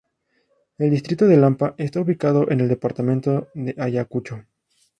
El distrito de Lampa está ubicado en el departamento de Ayacucho.